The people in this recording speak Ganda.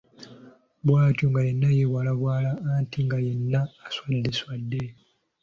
Bwatyo nga yenna yeebwalabwala anti nga yenna aswadde swadde.